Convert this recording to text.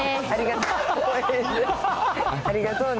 ありがとうね。